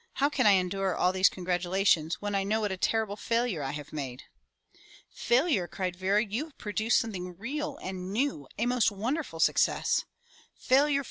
How can I endure all these congratula tions when I know what a terrible failure I have made?" "Failure!" cried Vera. "You have produced something real and new, a most wonderful success." "Failure!